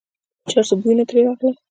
د چرسو بویونه ترې راغلل.